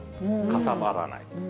かさばらない。